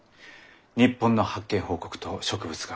日本の発見報告と植物画。